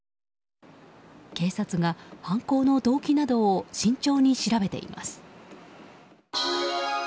警察が犯行の動機などを慎重に調べています。